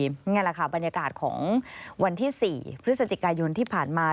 นี่แหละค่ะบรรยากาศของวันที่๔พฤศจิกายนที่ผ่านมา